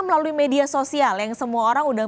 melalui media sosial yang semua orang udah